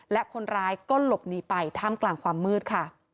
และคนร้ายก็หลบหนีไปท่ามกลางความมืดค่ะ